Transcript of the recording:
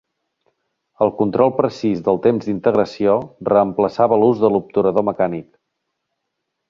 El control precís del temps d'integració reemplaçava l'ús de l'obturador mecànic.